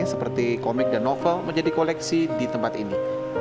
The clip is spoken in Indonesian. seperti komik dan novel menjadi koleksi di tempat ini